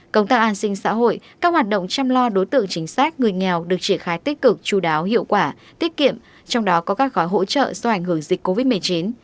công tác an sinh xã hội các hoạt động chăm lo đối tượng chính sách người nghèo được triển khai tích cực chú đáo hiệu quả tiết kiệm trong đó có các gói hỗ trợ do ảnh hưởng dịch covid một mươi chín